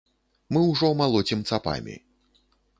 Мы ўжо малоцім цапамі.